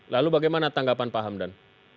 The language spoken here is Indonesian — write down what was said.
lalu bagaimana tanggapan pak hamdan